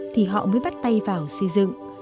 thì họ mới bắt tay vào xây dựng